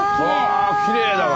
きれいだわ。